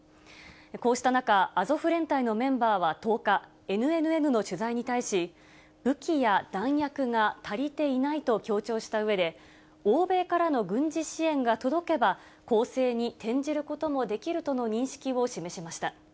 こうした中、アゾフ連隊のメンバーは１０日、ＮＮＮの取材に対し、武器や弾薬が足りていないと強調したうえで、欧米からの軍事支援が届けば、攻勢に転じることができるとの認識を示しました。